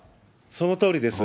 そのとおりです。